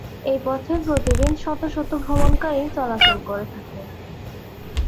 এই পথে প্রতিদিন শত শত ভ্রমণকারী চলাচল করে থাকে।